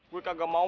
gue kagak mau